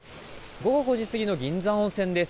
午後５時過ぎの銀山温泉です。